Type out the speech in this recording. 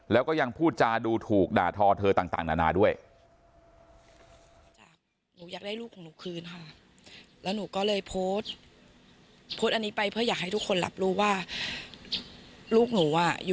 แล้วก็ยังพูดจาดูถูกด่าทอเธอต่างนานาด้วย